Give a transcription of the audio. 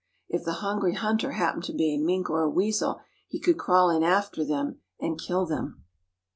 If the hungry hunter happened to be a mink or a weasel he could crawl in after them and kill them.